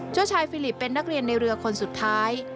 เจ้าชายฟิลิปเป็นนักเรียนในเรือคนสุดท้าย